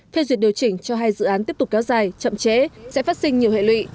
phê duyệt điều chỉnh cho hai dự án tiếp tục kéo dài chậm chế sẽ phát sinh nhiều hệ lụy